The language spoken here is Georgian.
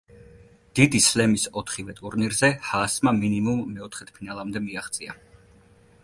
დიდი სლემის ოთხივე ტურნირზე, ჰაასმა მინიმუმ მეოთხედფინალამდე მიაღწია.